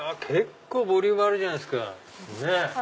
結構ボリュームあるじゃないですか。